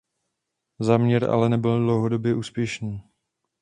Záměr ale nebyl dlouhodobě úspěšný.